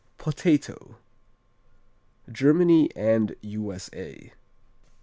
Potato _Germany and U.S.A.